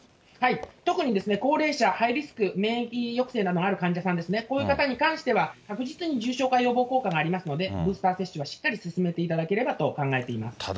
特に高齢者、ハイリスク、免疫抑制などのある患者さんですね、こういった方に関しては、確実に重症化予防効果がありますので、ブースター接種はしっかり進めていただければと考えています。